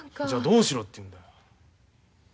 じゃあどうしろって言うんだ？